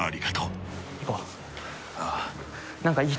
ああ。